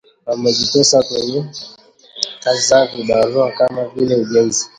wamejitosa kwenye kazi za vibarua kama vile ujenzi